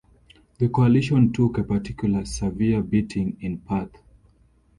The Coalition took a particularly severe beating in Perth.